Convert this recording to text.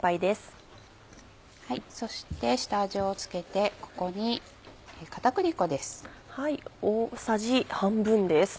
そして下味を付けてここに片栗粉です。